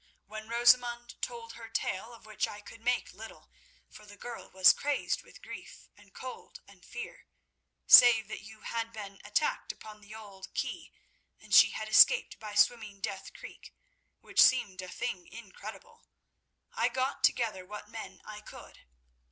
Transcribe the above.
When Rosamund told her tale of which I could make little, for the girl was crazed with grief and cold and fear, save that you had been attacked upon the old quay, and she had escaped by swimming Death Creek—which seemed a thing incredible—I got together what men I could.